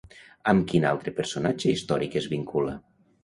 Amb quin altre personatge històric es vincula?